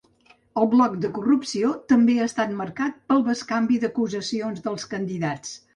El bloc de corrupció també ha estat marcat pel bescanvi d’acusacions dels candidats.